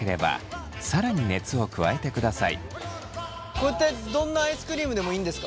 これってどんなアイスクリームでもいいんですか？